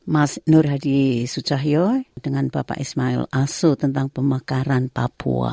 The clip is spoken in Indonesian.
mas nur hadi sucahyo dengan bapak ismail aso tentang pemekaran papua